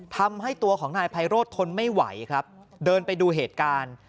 ทำให้ตัวของนายไพโรธทนไม่ไหวครับเดินไปดูเหตุการณ์